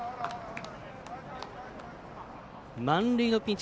満塁のピンチ